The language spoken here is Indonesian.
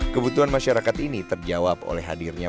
kebutuhan masyarakat ini terjawab oleh hadirnya